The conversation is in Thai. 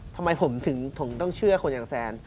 ทำไมผมถึงต้องเชื่อคนอย่างแซน